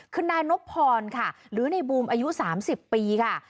คือนายนบพรค่ะหรือในบูมอายุ๓๐ปีค่ะ